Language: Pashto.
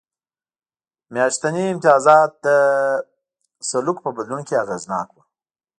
میاشتني امتیازات د سلوک په بدلون کې اغېزناک و